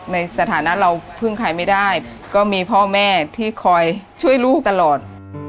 สถานะเราพึ่งใครไม่ได้ก็มีพ่อแม่ที่คอยช่วยลูกตลอด